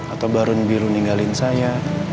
atau baron biru ninggalin saya